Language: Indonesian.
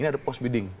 ini ada post bidding